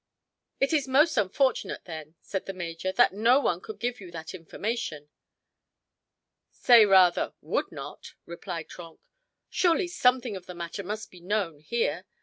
"It is most unfortunate, then," said the major, "that no one could give you that information." "Say rather, would not," replied Trenck. "Surely, something of the matter must be known here.